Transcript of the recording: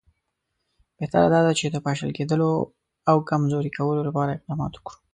بهتره دا ده چې د پاشل کېدلو او کمزوري کولو لپاره اقدامات وکړو.